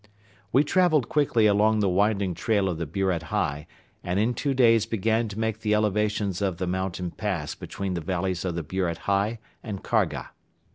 We traveled quickly along the winding trail of the Buret Hei and in two days began to make the elevations of the mountain pass between the valleys of the Buret Hei and Kharga.